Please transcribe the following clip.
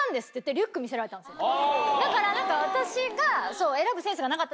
だから何か私が。